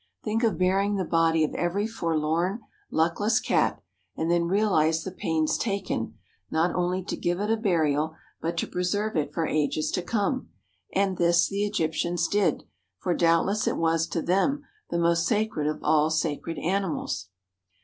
Think of burying the body of every forlorn, luckless Cat, and then realize the pains taken, not only to give it a burial, but to preserve it for ages to come; and this the Egyptians did, for doubtless it was to them the most sacred of all sacred animals.